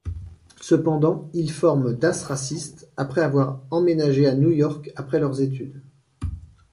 Cependant, ils forment Das Racist après avoir emménagé à New York après leurs études.